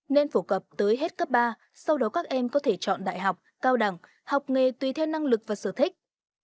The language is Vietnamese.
nên phổ cập tới hết cấp ba sau đó các em có thể chọn đại học cao đẳng học nghề tùy theo năng lực và sở thích